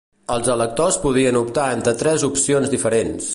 Els electors podien optar entre tres opcions diferents.